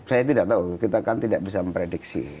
saya tidak tahu kita kan tidak bisa memprediksi